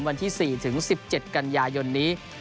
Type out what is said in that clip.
วันที่๔ถึง๑๗กันยายนนี้